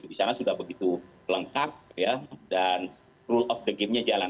di sana sudah begitu lengkap dan rule of the game nya jalan